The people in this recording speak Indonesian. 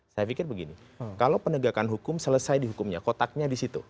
saya pikir begini kalau penegakan hukum selesai di hukumnya kotaknya di situ